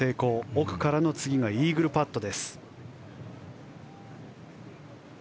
奥からの、次がイーグルパット。